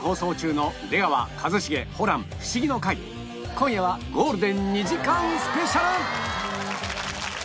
今夜はゴールデン２時間スペシャル